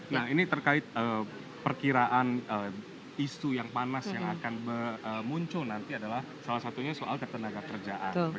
nah ini terkait perkiraan isu yang panas yang akan muncul nanti adalah salah satunya soal ketenaga kerjaan